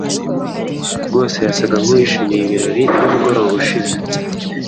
rwose yasaga nkuwishimiye ibirori nimugoroba ushize.